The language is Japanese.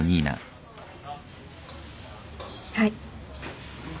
はい。